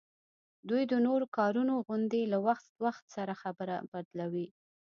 دوی د نورو کارونو غوندي له وخت وخت سره خبره بدلوي